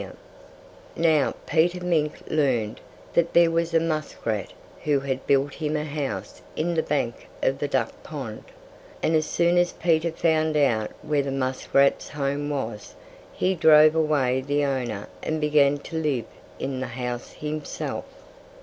[Illustration: PETER PULLED JIMMY OUT OF THE MUD] Now, Peter Mink learned that there was a muskrat who had built him a house in the bank of the duck pond. And as soon as Peter found out where the muskrat's home was, he drove away the owner and began to live in the house himself.